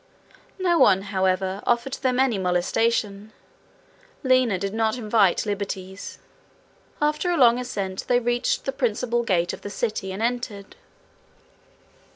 No one, however, offered them any molestation: Lina did not invite liberties. After a long ascent, they reached the principal gate of the city and entered.